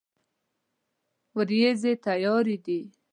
ورېځې تیارې دي